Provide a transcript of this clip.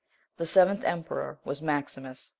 The seventh emperor was Maximus.